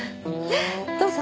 どうぞ。